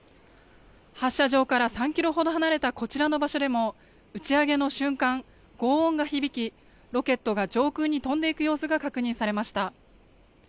発射場から３キロほど離れたこちらの場所でも打ち上げの瞬間、ごう音が響き、ロケットが上空に飛んでいく様子が確認されました。